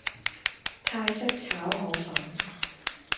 泰式炒河粉